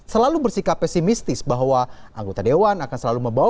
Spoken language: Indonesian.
selalu bersikap pesimistis bahwa anggota dewan akan selalu membawa